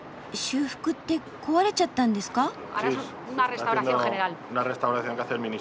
「修復」って壊れちゃったんですか？